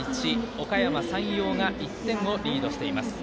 おかやま山陽が１点をリードしています。